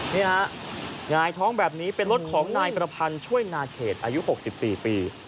นี่ฮะหงายท้องแบบนี้เป็นรถของนายประพันธ์ช่วยนาเขตอายุ๖๔ปี